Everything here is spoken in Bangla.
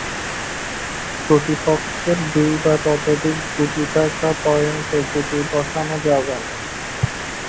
প্রতিপক্ষের দুই বা ততোধিক গুটি থাকা পয়েন্টে গুটি বসানো যাবে না।